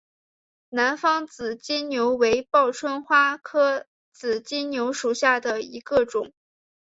南方紫金牛为报春花科紫金牛属下的一个种。